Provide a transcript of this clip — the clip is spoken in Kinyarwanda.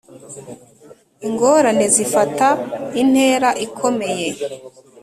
Ingorane zifata intera ikomeye